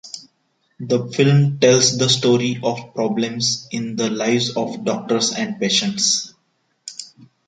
The film tells the story of problems in the lives of doctors and patients.